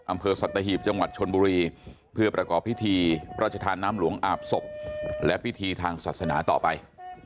อำเภอสัตหีบจังหวัดชนบุรีเพื่อประกอบพิธีพระราชทานน้ำหลวงอาบศพและพิธีทางศาสนาต่อไป